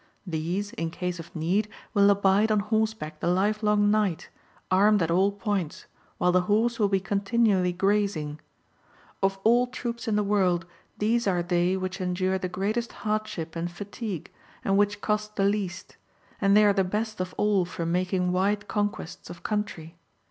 These, In case of need, will abide on horseback the livelong night, armed at all points, while the horse will be continually grazing. Of all troops in the world these are they which en dure the greatest hardship and fatigue, and which cost Chap. LIV. THE TARTAR CUSTOMS OF WAR 26 1 the least ; and they are the best of all for making wide conquests of country.